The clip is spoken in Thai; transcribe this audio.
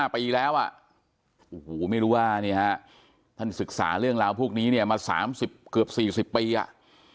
อ่ะโอ้โหไม่รู้ว่านี่ฮะท่านศึกษาเรื่องราวพวกนี้เนี่ยมา๓๐เกือบ๔๐ปีอ่ะ